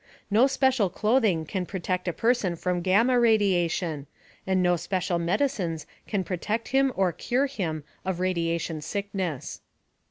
No special clothing can protect a person from gamma radiation, and no special medicines can protect him or cure him of radiation sickness.